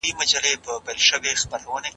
ژوند په میړانه کيږي